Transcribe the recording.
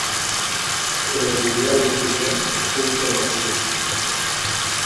Com es diria avui en dia “un temassu”.